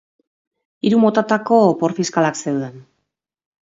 Hiru motatako opor fiskalak zeuden.